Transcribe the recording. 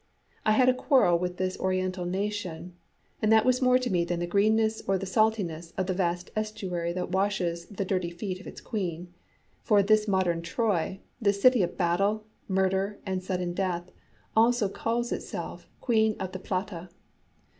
I had a quarrel with this Oriental nation, and that was more to me than the greenness or the saltness of the vast estuary that washes the dirty feet of its queen for this modern Troy, this city of battle, murder, and sudden death, also calls itself Queen of the Plata.